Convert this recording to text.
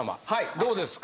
どうですか？